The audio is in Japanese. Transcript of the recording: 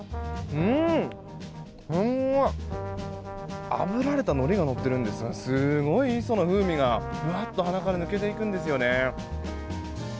すごい！あぶられたのりがのってるんですがすごい磯の風味がふわっと鼻から抜けていくんですよね。